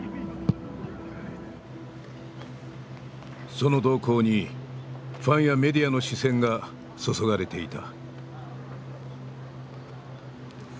その動向にファンやメディアの視線が注がれていた。